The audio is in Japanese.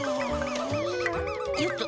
よっと！